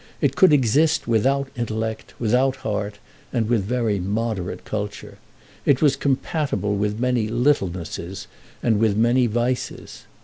It could exist without intellect, without heart, and with very moderate culture. It was compatible with many littlenesses and with many vices.